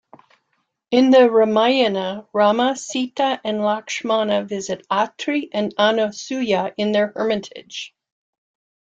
In the Ramayana, Rama, Sita and Lakshmana visit Atri and Anasuya in their hermitage.